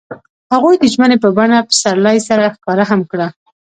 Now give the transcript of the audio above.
هغوی د ژمنې په بڼه پسرلی سره ښکاره هم کړه.